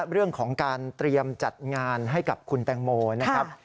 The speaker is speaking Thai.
เรื่องของการเตรียมจัดงานให้กับคุณแตงโมนะครับ